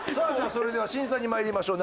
それでは審査にまいりましょう